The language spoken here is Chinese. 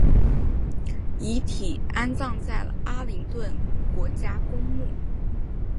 遗体安葬在了阿灵顿国家公墓